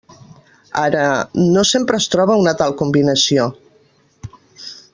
Ara, no sempre es troba una tal combinació.